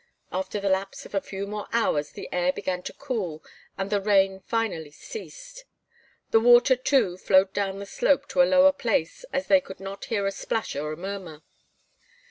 After the lapse of a few more hours the air began to cool and the rain finally ceased. The water too flowed down the slope to a lower place as they could not hear a splash or a murmur.